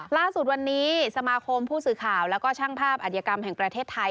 ล่าสุดวันนี้สมาคมผู้สื่อข่าวแล้วก็ช่างภาพอัธยกรรมแห่งประเทศไทย